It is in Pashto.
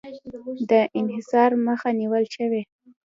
د انحصار مخه نیول شوې؟